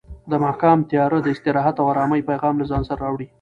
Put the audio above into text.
د ماښام تیاره د استراحت او ارامۍ پیغام له ځان سره راوړي.